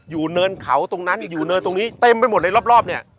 เนินเขาตรงนั้นอยู่เนินตรงนี้เต็มไปหมดเลยรอบเนี่ย